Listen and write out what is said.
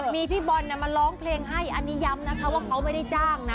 มีพี่บอลมาร้องเพลงให้อันนี้ย้ำนะคะว่าเขาไม่ได้จ้างนะ